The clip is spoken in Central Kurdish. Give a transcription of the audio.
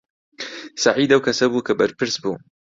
سەعید ئەو کەسە بوو کە بەرپرس بوو.